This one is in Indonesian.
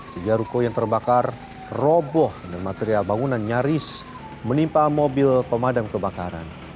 tiga ruko yang terbakar roboh dan material bangunan nyaris menimpa mobil pemadam kebakaran